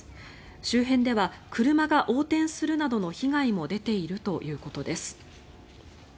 周辺では車が横転するなどの被害も出ているということです。